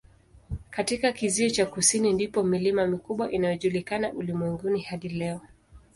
Katika kizio cha kusini ndipo milima mikubwa inayojulikana ulimwenguni hadi leo.